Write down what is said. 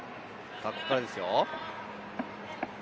ここからですよ。